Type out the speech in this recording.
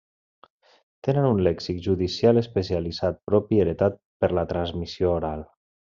Tenen un lèxic judicial especialitzat propi heretat per transmissió oral.